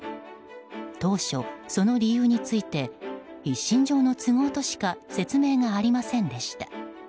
当初、その理由について一身上の都合としか説明がありませんでした。